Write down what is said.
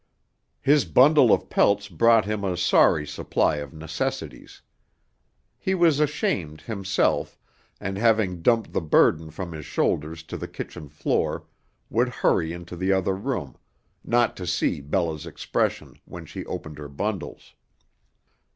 His bundle of pelts brought him a sorry supply of necessities. He was ashamed, himself, and having dumped the burden from his shoulders to the kitchen floor would hurry into the other room, not to see Bella's expression when she opened her bundles.